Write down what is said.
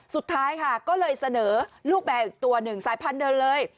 สุดท้ายค่ะก็เลยเสนอลูกแมวอีกตัวหนึ่งสายพันธุเดินเลย